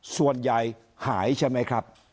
ส่วนใหญ่หายใช่ไหมครับ